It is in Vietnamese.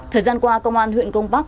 thời gian qua công an huyện công bắc